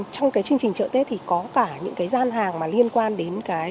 trong chương trình trợ tết có cả những gian hàng liên quan đến